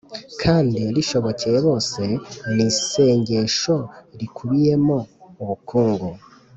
kandi rishobokeye bose ni isenngesho rikubiyemo ubukungu